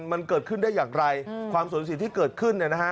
มันเกิดขึ้นได้อย่างไรความสูญเสียที่เกิดขึ้น